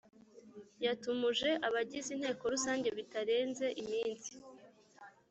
Yatumuje abagize Inteko Rusange bitarenze iminsi